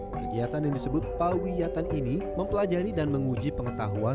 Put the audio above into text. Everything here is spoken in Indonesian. kegiatan yang disebut pawiyatan ini mempelajari dan menguji pengetahuan